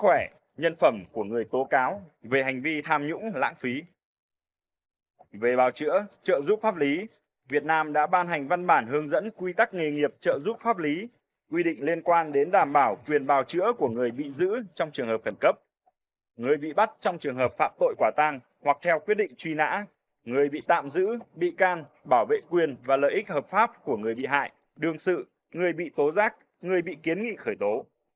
về thi hành án hình sự việt nam đã ban hành văn bản hướng dẫn quy tắc nghề nghiệp trợ giúp pháp lý quy định liên quan đến đảm bảo quyền bào chữa của người bị giữ trong trường hợp khẩn cấp người bị bắt trong trường hợp phạm tội quả tăng hoặc theo quyết định truy nã người bị tạm giữ bị can bảo vệ quyền và lợi ích hợp pháp của người bị hại đương sự người bị tố rác người bị kiến nghị khởi tố